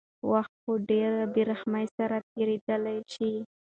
وخت په ډېرې بېرحمۍ سره تېرېدلی شي.